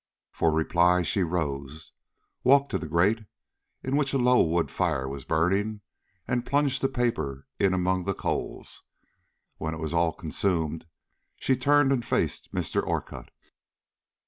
For reply she rose, walked to the grate, in which a low wood fire was burning, and plunged the paper in among the coals. When it was all consumed she turned and faced Mr. Orcutt.